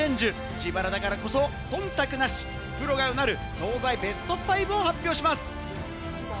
自腹だからこそ忖度なし、プロがうなる、総菜ベスト５を発表します。